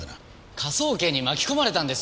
科捜研に巻き込まれたんです！